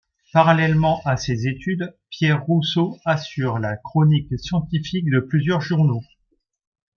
Parallèlement à ses études, Pierre Rousseau assure la chronique scientifique de plusieurs journaux.